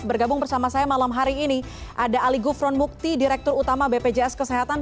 bergabung bersama saya malam hari ini ada ali gufron mukti direktur utama bpjs kesehatan